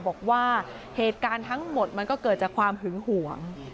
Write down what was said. บอกว่าเหตุการณ์ทั้งหมดมันก็เกิดจากความหึงหวง